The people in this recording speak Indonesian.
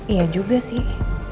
iya juga sih